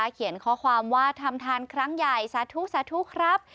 เขียนข้อความว่าทำทานครั้งใหญ่สาธุสาธุครับ